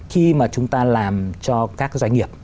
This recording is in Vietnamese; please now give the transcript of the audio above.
khi mà chúng ta làm cho các doanh nghiệp